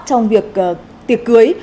trong việc tiệc cưới